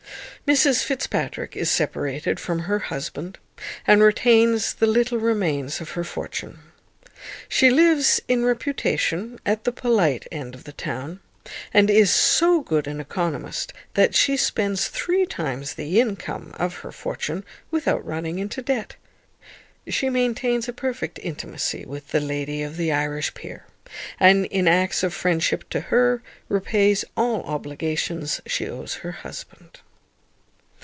Mrs Fitzpatrick is separated from her husband, and retains the little remains of her fortune. She lives in reputation at the polite end of the town, and is so good an economist, that she spends three times the income of her fortune, without running into debt. She maintains a perfect intimacy with the lady of the Irish peer; and in acts of friendship to her repays all obligations she owes her husband.